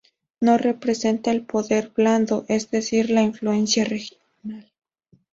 No representa el poder blando, es decir, la influencia regional.